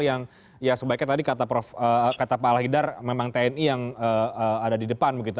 yang ya sebaiknya tadi kata pak alhidar memang tni yang ada di depan begitu